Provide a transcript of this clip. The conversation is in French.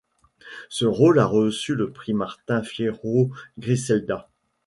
Ce rôle a reçu le prix Martin Fierro Griselda.